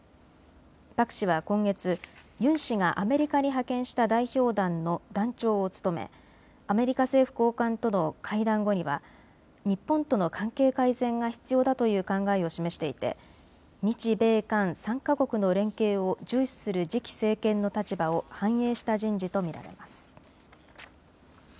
パク氏は今月、ユン氏がアメリカに派遣した代表団の団長を務めアメリカ政府高官との会談後には日本との関係改善が必要だという考えを示していて日米韓３か国の連携を重視する次期政権の立場を反映した人事と見られます。